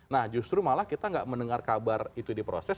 nah justru malah kita nggak mendengar kabar itu diproses